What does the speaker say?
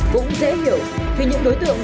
cũng dễ hiểu khi những đối tượng